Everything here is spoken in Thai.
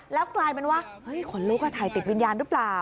แล้วกลายเป็นว่าขนลุกถ่ายติดวิญญาณหรือเปล่า